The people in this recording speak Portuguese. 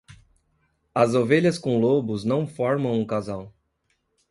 As ovelhas com lobos não formam um casal.